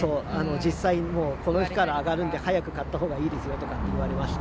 実際にもう、この日から上がるんで早く買ったほうがいいですよというふうに言われました。